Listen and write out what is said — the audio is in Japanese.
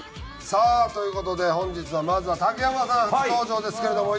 さあという事で本日はまずは竹山さん初登場ですけれども。